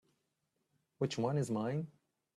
Which one is mine?